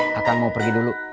kakang mau pergi dulu